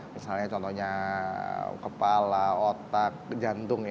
misalnya contohnya kepala otak jantung